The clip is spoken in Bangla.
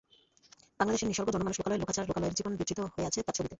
বাংলাদেশের নিসর্গ, জনমানুষ, লোকালয়, লোকাচার, লোকালয়ের জীবন বিধৃত হয়ে আছে তাঁর ছবিতে।